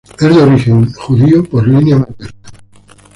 Es de origen judío por línea materna.